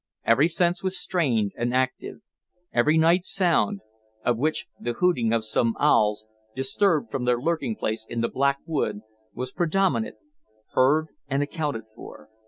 Every sense was strained and active; every night sound of which the hooting of some owls, disturbed from their lurking place in the Black Wood, was predominant heard and accounted for.